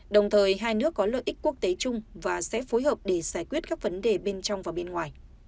đồng thời hai nước có lợi ích quốc tế chung và sẽ phối hợp để giải quyết các vấn đề bên trong và bên ngoài